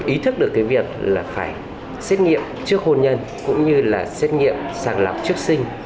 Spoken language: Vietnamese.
ý thức được cái việc là phải xét nghiệm trước hôn nhân cũng như là xét nghiệm sàng lọc trước sinh